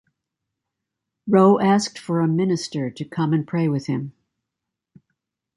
Wroe asked for a minister to come and pray with him.